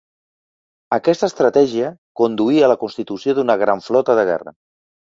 Aquesta estratègia conduí a la constitució d'una gran flota de guerra.